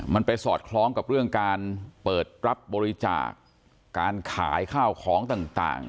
มันไปสอดคล้องกับเรื่องการเปิดรับบริจาคการขายข้าวของต่าง